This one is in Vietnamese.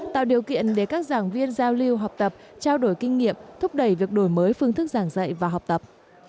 tạo điều kiện để các giảng viên giao lưu học tập trao đổi kinh nghiệm thúc đẩy việc đổi mới phương thức giảng dạy và học tập